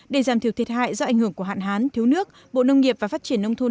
để giảm thiểu thiệt hại do ảnh hưởng của hạn hán thiếu nước bộ nông nghiệp và phát triển nông thôn